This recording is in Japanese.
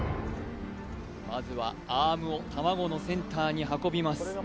まずはアームを卵のセンターに運びます